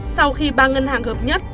sau khi ba ngân hàng hợp nhất